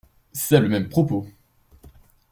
C’est le même propos.